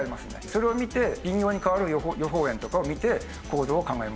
それを見て微妙に変わる予報円とかを見て行動を考えます。